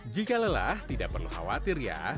jika lelah tidak perlu khawatir ya